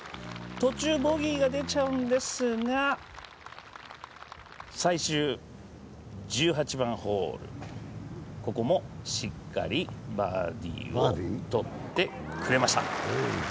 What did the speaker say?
途中、ボギーが出ちゃうんですが最終１８番ホール、ここもしっかりバーディーを取ってくれました。